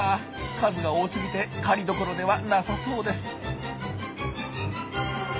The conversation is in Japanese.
数が多すぎて狩りどころではなさそうです。